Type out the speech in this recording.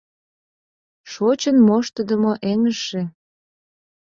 Шочын моштыдымо эҥыжше